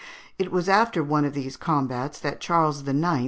It was after one of these combats that Charles IX.